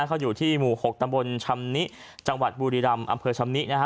เขาอยู่ที่หมู่๖ตำบลชำนิจังหวัดบุรีรำอำเภอชำนินะฮะ